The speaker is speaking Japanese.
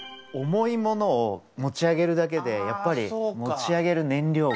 重いものを持ち上げるだけでやっぱり持ち上げる燃料がかかるんです。